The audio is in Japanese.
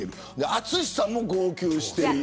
淳さんも号泣している。